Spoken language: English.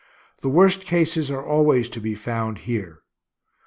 The worst cases are always to be found here.